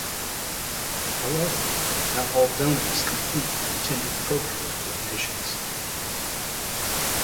However, not all donors complete the intended program of donations.